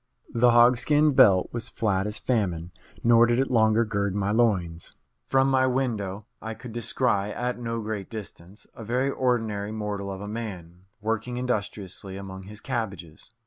The hogskin belt was flat as famine, nor did it longer gird my loins. From my window I could descry, at no great distance, a very ordinary mortal of a man, working industriously among his cabbages.